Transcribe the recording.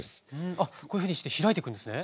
あっこういうふうにして開いていくんですね？